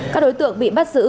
các đối tượng bị bắt giữ